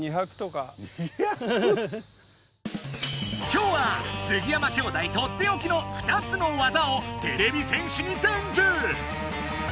今日は杉山兄弟とっておきの２つの技をてれび戦士に伝授！